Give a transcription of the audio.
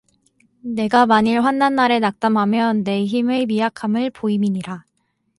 네가 만일 환난날에 낙담하면 네 힘의 미약함을 보임이니라